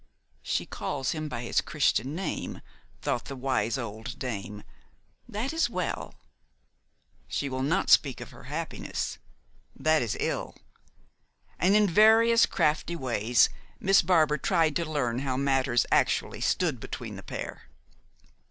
"She calls him by his Christian name," thought the wise old dame, "that is well. She will not speak of her happiness, that is ill," and in various crafty ways Miss Barbar tried to learn how matters actually stood between the pair.